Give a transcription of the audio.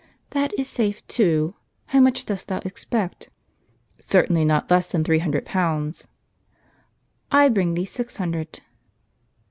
" That is safe too. How much dost thou expect? "" Certainly not less than three hundred pounds."* " I bring thee six hundred."